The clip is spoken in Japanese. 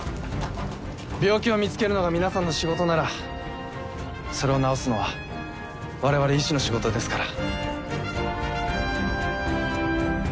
病気を見つけるのが皆さんの仕事ならそれを治すのはわれわれ医師の仕事ですから。